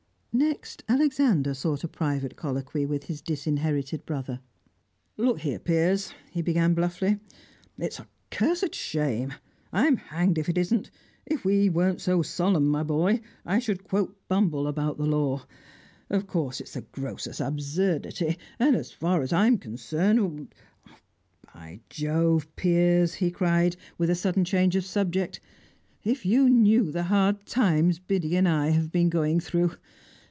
Next, Alexander sought a private colloquy with his disinherited brother. "Look here, Piers," he began bluffly, "it's a cursed shame! I'm hanged if it isn't! If we weren't so solemn, my boy, I should quote Bumble about the law. Of course it's the grossest absurdity, and as far as I'm concerned . By Jove, Piers!" he cried, with sudden change of subject, "if you knew the hard times Biddy and I have been going through!